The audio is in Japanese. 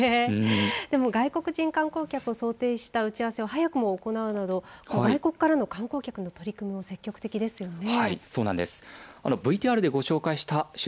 でも外国からの観光客を想定した打ち合わせを早くも行うなど観光客の取り組みも積極的ですよね。